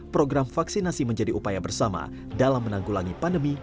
program vaksinasi menjadi upaya bersama dalam menanggulangi pandemi